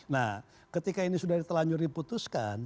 nah ketika ini sudah telanjur diputuskan